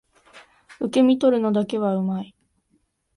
受け身取るのだけは上手い